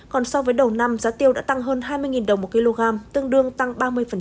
còn so với đầu năm giá tiêu đã tăng hơn hai mươi đồng một kg tương đương tăng ba mươi